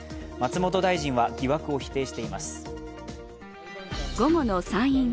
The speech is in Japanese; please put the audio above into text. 松本大臣は疑惑を否定しています。